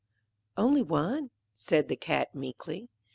] 'Only one,' said the Cat, meekly.